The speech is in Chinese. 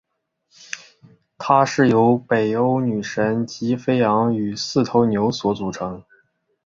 它是由北欧女神吉菲昂与四头牛所组成。